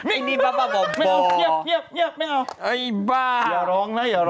ไอ้บ้า